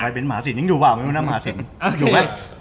พัดเม้นหมาศิลป์ยังอยู่มั้ยหมาศิลป์